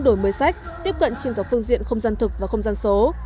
đổi mới sách tiếp cận trên các phương diện không gian thực và không gian số